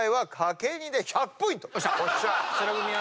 よっしゃ！